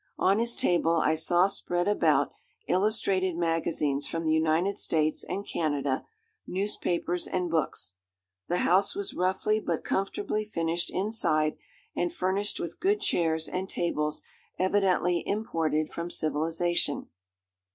On his table I saw spread about illustrated magazines from the United States and Canada, newspapers, and books. The house was roughly but comfortably finished inside, and furnished with good chairs and tables evidently imported from civilization.